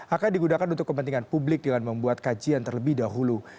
akan digunakan untuk kepentingan publik dengan membuat kajian terlebih dahulu